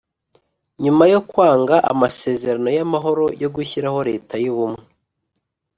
nyuma yo kwanga amasezerano y’amahoro yo gushyiraho leta y’ubumwe